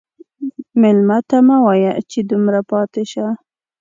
مېلمه ته مه وایه چې دومره پاتې شه.